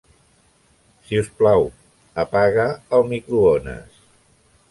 Si us plau, apaga el microones.